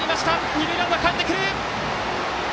二塁ランナー、かえってきた！